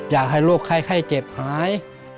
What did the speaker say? อยากให้โรคไข้เจ็บหาย